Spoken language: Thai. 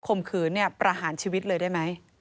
มขืนเนี่ยประหารชีวิตเลยได้ไหม